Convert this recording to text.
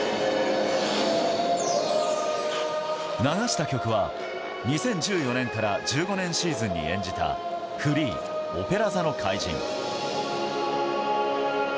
流した曲は、２０１４年から１５年シーズンに演じたフリー「オペラ座の怪人」。